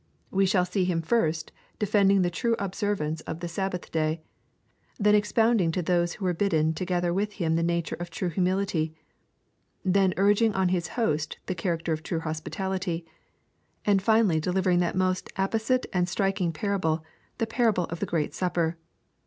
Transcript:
We shall see Him first defending the true observance of the Sabbatli day, — then expounding to those who were bidden together with Him the nature of true humility, — then urging on His host the character of true hospitality, — and finally delivering that most apposite and striking parable, the parable of the great supper.